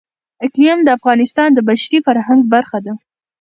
اقلیم د افغانستان د بشري فرهنګ برخه ده.